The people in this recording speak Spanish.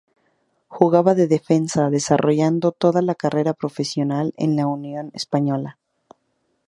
Jugaba de defensa, desarrollando toda su carrera profesional en Unión Española.